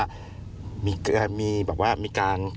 คนที่อยากรู้ให้ไปถามที่ตำรวจ